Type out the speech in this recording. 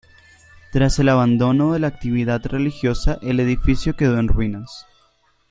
Tras el abandono de la actividad religiosa el edificio quedó en ruinas.